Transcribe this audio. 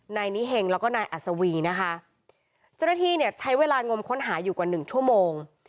นายนิเฮงแล้วก็นายอัศวีนะคะเจ้าหน้าที่เนี่ยใช้เวลางมค้นหาอยู่กว่าหนึ่งชั่วโมง